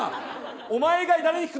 お前以外、誰に聞くんだ？